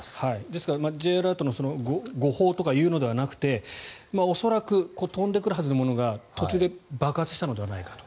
ですから、Ｊアラートの誤報というのではなくて恐らく飛んでくるはずのものが途中で爆発したのではないかと。